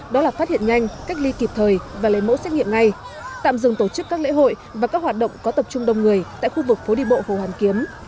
đó là phát hiện nhanh cách ly kịp thời và lấy mẫu xét nghiệm ngay tạm dừng tổ chức các lễ hội và các hoạt động có tập trung đông người tại khu vực phố đi bộ hồ hoàn kiếm